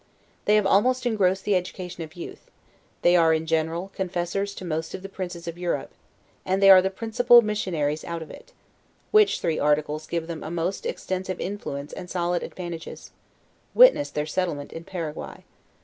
They have almost engrossed the education of youth; they are, in general, confessors to most of the princes of Europe; and they are the principal missionaries out of it; which three articles give them a most extensive influence and solid advantages; witness their settlement in Paraguay.